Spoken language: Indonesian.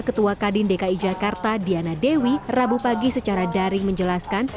ketua kadin dki jakarta diana dewi rabu pagi secara daring menjelaskan